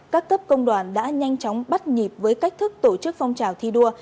các cấp công đoàn đã nhanh chóng bắt nhịp với cách thức tổ chức phong trào thi đua